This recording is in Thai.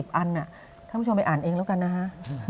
อันท่านผู้ชมไปอ่านเองแล้วกันนะฮะ